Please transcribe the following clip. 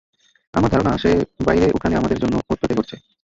আমার ধারণা সে বাইরে ওখানে আমাদের জন্য ওতপেতে করছে।